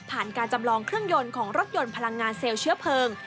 การจำลองเครื่องยนต์ของรถยนต์พลังงานเซลล์เชื้อเพลิง